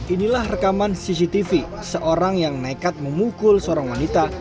inilah rekaman cctv seorang yang nekat memukul seorang wanita